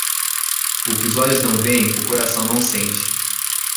O que os olhos não veem, o coração não sente